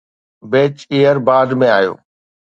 beach year بعد ۾ آيو